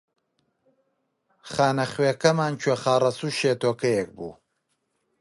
خانەخوێکەمان کوێخا ڕەسوو شێتۆکەیەک بوو